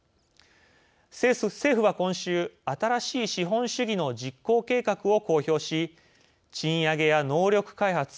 政府は今週新しい資本主義の実行計画を公表し、賃上げや能力開発